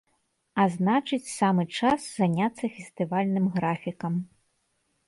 А значыць, самы час заняцца фестывальным графікам.